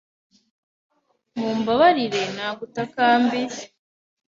Mumbabarire nagutakambiye.